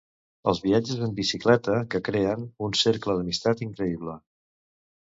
Els viatges en bicicleta que creen un cercle d'amistat increïble.